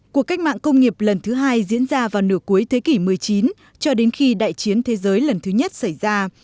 cuộc cách mạng công nghiệp lần thứ hai diễn ra vào nửa cuối thế kỷ một mươi chín cho đến khi đại chiến thế giới lần thứ nhất xảy ra